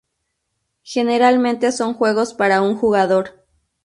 Generalmente son juegos para un jugador.